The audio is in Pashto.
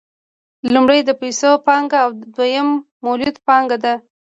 لومړی د پیسو پانګه او دویم مولده پانګه ده